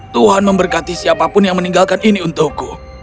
tuhan memberkati siapapun yang meninggalkan ini untukku